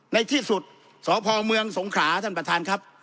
ในที่สุดสพเมืองสงขลาท่านประธานครับ